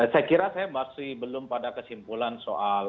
saya kira saya masih belum pada kesimpulan soal